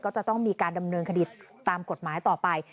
ก็จะต้องมีการดำเนินคดีตามกฎหมายต่อไป